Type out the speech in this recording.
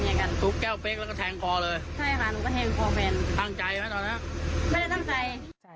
เขามาติดหนูแล้วเขาแตกรถหนูแล้วเขาก็ลากหนูมาสุดต่อย